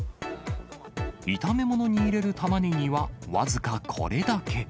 炒め物に入れるタマネギは僅かこれだけ。